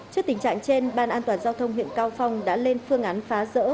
trước tình trạng trên ban an toàn giao thông huyện cao phong đã lên phương án phá rỡ